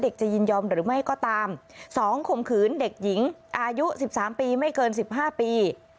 เด็กจะยินยอมหรือไม่ก็ตามสองข่มขืนเด็กหญิงอายุสิบสามปีไม่เกินสิบห้าปี